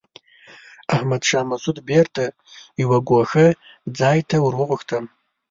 احمد شاه مسعود بېرته یوه ګوښه ځای ته ور وغوښتم.